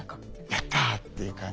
「やった！」っていう感じで。